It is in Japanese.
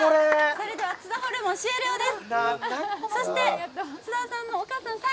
それでは、つだホルモン終了です。